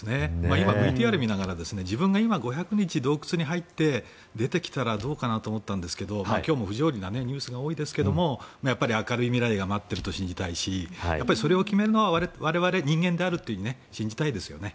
今、ＶＴＲを見ながら自分が今５００日洞窟に入って出てきたらどうかなと思ったんですが今日も不条理なニュースが多いですがやっぱり明るい未来が待ってると信じたいしそれを決めるのは我々人間であると信じたいですね。